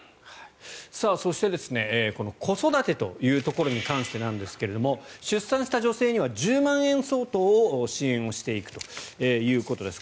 そして、子育てというところに関してですが出産した女性には１０万円相当を支援していくということです。